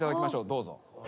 どうぞ。